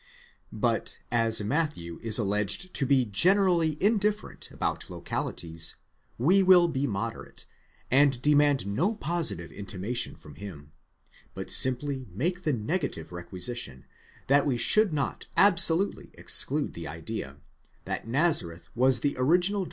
But as Matthew is alleged to be generally indifferent about localities, we will be moderate, and demand no positive intimation from him, but simply make the negative requisition, that he should not absolutely exclude the idea, that Nazareth was the original dwelling place of the parents of Jesus.